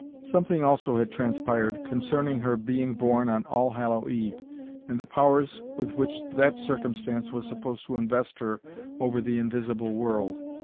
Something also had transpired concerning her being born on All hallow Eve, and the powers with which that circumstance was supposed to invest her over the invisible world.